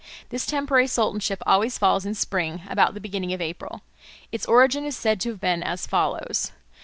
This temporary sultanship always falls in spring, about the beginning of April. Its origin is said to have been as follows.